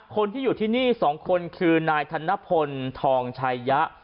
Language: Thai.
คนที่อยู่ที่นี่๒คนคือนายธนพลทองชายะ